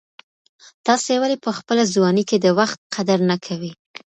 تاسي ولي په خپله ځواني کي د وخت قدر نه کوئ؟